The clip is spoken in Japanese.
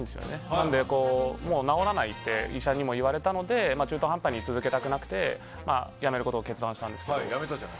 なので、治らないって医者にも言われたので中途半端に続けたくなくてやめることを決断したんですけど。